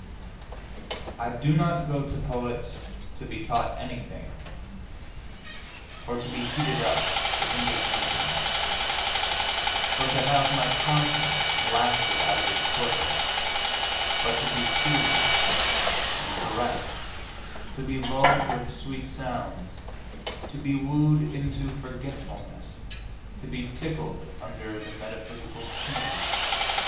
I do not go to poets to be taught anything, or to be heated up to indignation, or to have my conscience blasted out of its torpor, but to be soothed and caressed, to be lulled with sweet sounds, to be wooed into forgetfulness, to be tickled under the metaphysical chin.